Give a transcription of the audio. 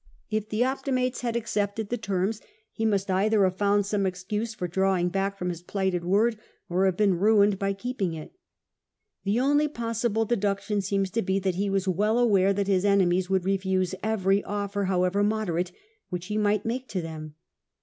If the Optimates had accepted the terms, he must either have found some excuse for drawing back from his plighted word, or have been ruined by keeping it. The only possible deduction seems to be that he was well aware that his enemies would refuse every offer, however moderate, which he might make to them.